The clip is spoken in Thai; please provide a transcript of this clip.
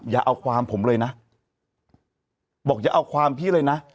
อย่าเอาความผมเลยนะบอกอย่าเอาความพี่เลยนะ